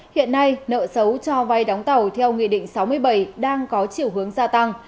hiện nay nợ xấu cho vay đóng tàu theo nghị định sáu mươi bảy đang có chiều hướng gia tăng